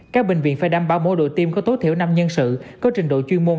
các bệnh viện phải đảm bảo mỗi đội tiêm có tối thiểu năm nhân sự có trình độ chuyên môn